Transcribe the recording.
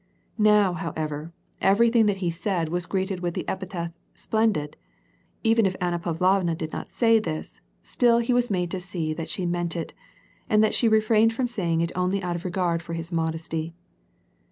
Now, however, evei^thing that he said was greeted with the ej)itliet * splendid.' Even if Anna Pavlovna (lid not say this, still lie was made to see that she meant it, and that she refrained ironi saying it only out of regard for his modesty.